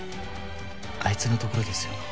アイツのところですよ。